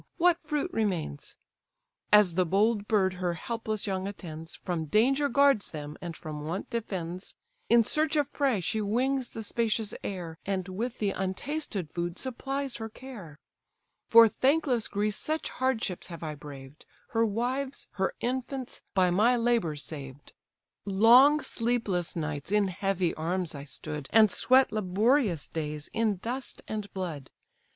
what fruit remains? As the bold bird her helpless young attends, From danger guards them, and from want defends; In search of prey she wings the spacious air, And with the untasted food supplies her care: For thankless Greece such hardships have I braved, Her wives, her infants, by my labours saved; Long sleepless nights in heavy arms I stood, And sweat laborious days in dust and blood.